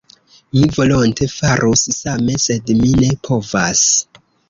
Mi volonte farus same, sed mi ne povas.